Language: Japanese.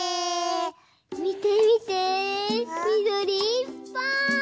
みてみてみどりいっぱい！